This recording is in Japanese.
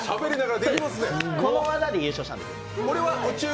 この技で優勝したんです。